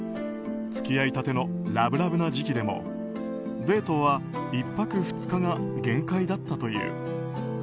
付き合いたてのラブラブな時期でもデートは１泊２日が限界だったという。